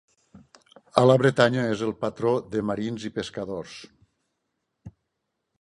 A la Bretanya, és el patró de marins i pescadors.